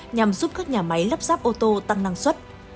nhằm giúp các nhà máy lắp ráp ô tô tăng năng suất